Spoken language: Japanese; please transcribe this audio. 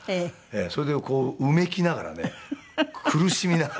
それでうめきながらね苦しみながらね。